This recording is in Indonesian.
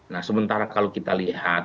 nah sementara kalau kita lihat